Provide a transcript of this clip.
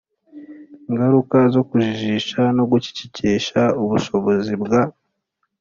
ingaruka zo kujijisha no gucecekesha ubushobozi bwa